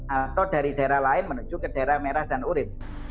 atau dari daerah lain menuju ke daerah merah dan urine